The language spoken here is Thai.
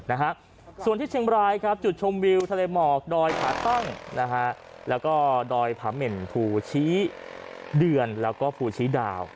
ส่วนชุดชมวิวที่เที่ยวของเที่ยวได้ด่อยภาตั้งด่อยพร้าเม่นผู้ชี้เดือนและผู้ชี้ดาว